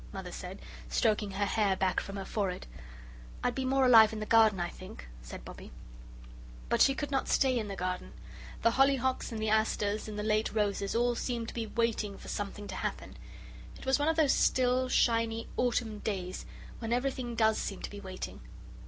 Mother said, stroking her hair back from her forehead. "I'd be more alive in the garden, I think," said Bobbie. But she could not stay in the garden. The hollyhocks and the asters and the late roses all seemed to be waiting for something to happen. It was one of those still, shiny autumn days, when everything does seem to be waiting.